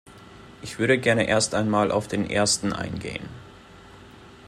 Ich würde gerne erst einmal auf den ersten eingehen.